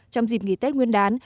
trong dịp nghỉ tết nguyên đán